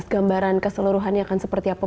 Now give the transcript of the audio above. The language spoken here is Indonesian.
gambaran keseluruhannya akan seperti apa